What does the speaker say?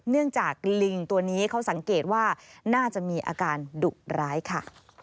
เนื่องจากลิงตัวนี้เขาสังเกตว่าน่าจะมีอาการดุร้ายค่ะ